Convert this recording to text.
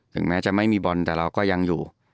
แม้จะไม่มีบอลแต่เราก็ยังอยู่